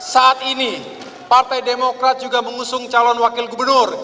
saat ini partai demokrat juga mengusung calon wakil gubernur